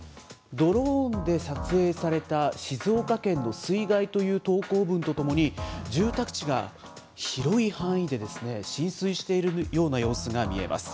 ドローンで撮影された静岡県の水害という投稿文とともに、住宅地が広い範囲で浸水しているような様子が見えます。